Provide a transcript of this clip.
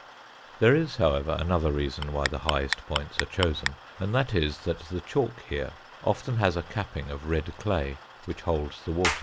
There is, however, another reason why the highest points are chosen, and that is that the chalk here often has a capping of red clay which holds the water.